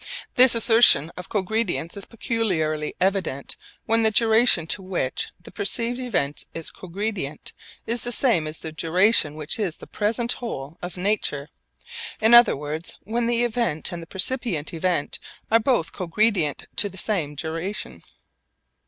This assertion of cogredience is peculiarly evident when the duration to which the perceived event is cogredient is the same as the duration which is the present whole of nature in other words, when the event and the percipient event are both cogredient to the same duration.